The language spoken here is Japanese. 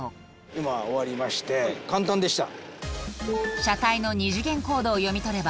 今終わりまして簡単でした。